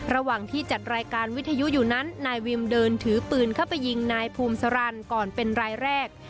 ระหว่างที่จัดรายการวิทยุอยู่นั้นนายวิมเดินถือปืนเข้าไปยิงนายภูมิสารันก่อนเป็นรายแรก